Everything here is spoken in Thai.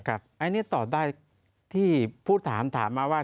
อันนี้ตอบได้ที่ผู้ถามถามมาว่า